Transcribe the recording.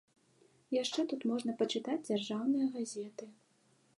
Яшчэ тут можна пачытаць дзяржаўныя газеты.